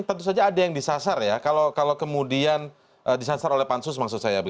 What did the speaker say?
tentu saja ada yang disasar ya kalau kemudian disasar oleh pansus maksud saya